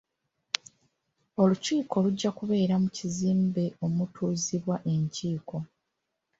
Olukiiko lujja kubeera mu kizimbe omutuuzibwa enkiiko.